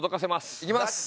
いきます！